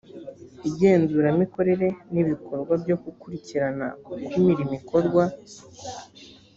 igenzuramikorere ni ibikorwa byo gukurikirana uko imirimo ikorwa